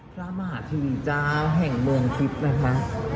พระมหาเทวีเจ้าแห่งมวลคิพฯนะครับ